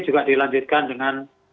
juga dilanjutkan dengan